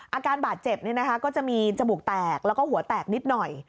อาการบาดเจ็บก็จะมีจมูกแตกแล้วก็หัวแตกนิดหน่อย